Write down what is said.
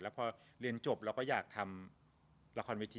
พอเรียนจบเราก็อยากทำละครเวที